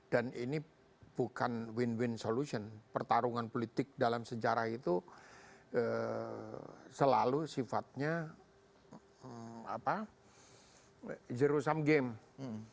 dan ini bukan win win solution pertarungan politik dalam sejarah itu selalu sifatnya apa zero sum game